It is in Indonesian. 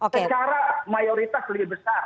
secara mayoritas lebih besar